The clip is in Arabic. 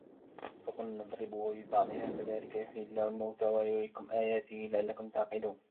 فقلنا اضربوه ببعضها كذلك يحيي الله الموتى ويريكم آياته لعلكم تعقلون